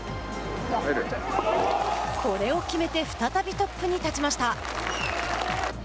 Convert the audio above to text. これを決めて再びトップに立ちました。